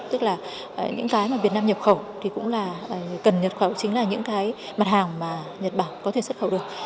tức là những cái mà việt nam nhập khẩu thì cũng là cần nhật khẩu chính là những cái mặt hàng mà nhật bản có thể xuất khẩu được